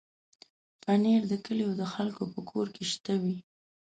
پنېر د کلیو د خلکو په کور کې شته وي.